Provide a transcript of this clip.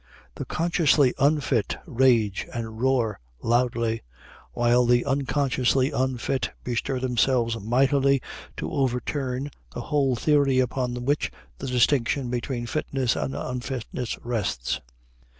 The consciously unfit rage and roar loudly; while the unconsciously unfit bestir themselves mightily to overturn the whole theory upon which the distinction between fitness and unfitness rests.